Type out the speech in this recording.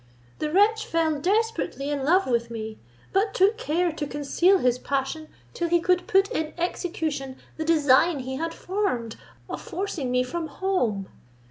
The wretch fell desperately in love with me, but took care to conceal his passion, till he could put in execution the design he had formed of forcing me from home.